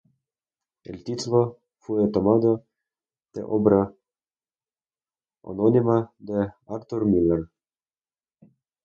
El título fue tomado de obra homónima de Arthur Miller.